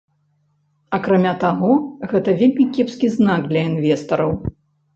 Акрамя таго, гэта вельмі кепскі знак для інвестараў.